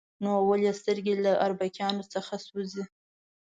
نو اول یې سترګې له اربکیانو څخه سوځي.